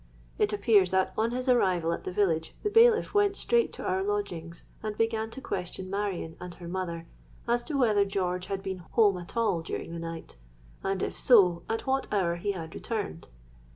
It appears that on his arrival at the village, the bailiff went straight to our lodgings, and began to question Marion and her mother as to whether George had been home at all during the night; and if so, at what hour he had returned.